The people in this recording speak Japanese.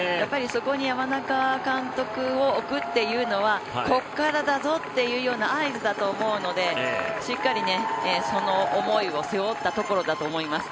そこに山中監督を置くというのはここからだぞっていう合図だと思うのでしっかり、その思いを背負ったところだと思います。